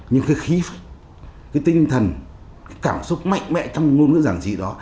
nhưng cái khí cái tinh thần cái cảm xúc mạnh mẽ trong ngôn ngữ giản dịu đó